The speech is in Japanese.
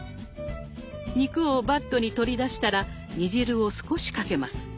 肉をバットに取り出したら煮汁を少しかけます。